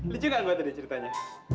lucu gak gua tadi ceritanya